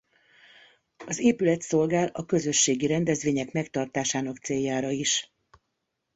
Az épület szolgál a közösségi rendezvények megtartásának céljára is.